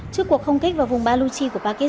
trước cuộc không kích vào vùng baluchi